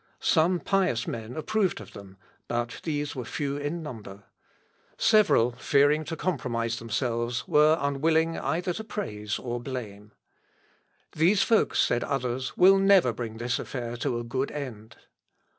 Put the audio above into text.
Some pious men approved of them, but these were few in number. Several, fearing to compromise themselves, were unwilling either to praise or blame. "These folks," said others, "will never bring this affair to a good end!"